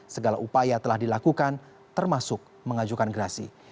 segala upaya telah dilakukan termasuk mengajukan gerasi